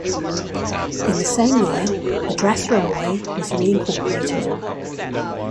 In the same year, Madras Railway was re-incorporated.